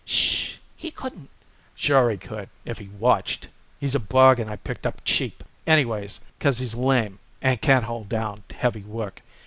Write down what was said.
"'Shh h. He couldn't " "Sure he could, if he watched. He's a bargain I picked up cheap, anyways, 'cause he's lame and can't hold down heavy work.